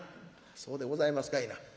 「そうでございますかいな。